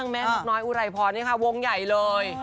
แม่นกน้อยอุไรพรนี่ค่ะวงใหญ่เลย